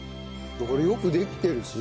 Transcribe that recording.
これよくできてる。